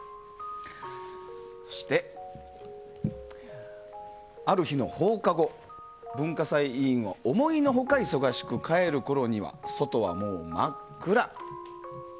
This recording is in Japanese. そして、ある日の放課後文化祭委員は思いのほか忙しく帰るころには外はもう真っ暗。